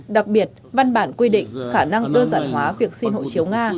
đặc biệt văn bản quy định khả năng đơn giản hóa việc xin hộ chiếu nga